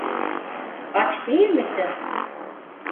Aç değil misin?